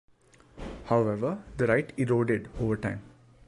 However, the right eroded over time.